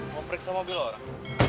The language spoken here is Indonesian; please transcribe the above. mau periksa mobil orang